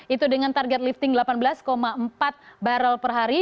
itu dengan target lifting delapan belas empat barrel per hari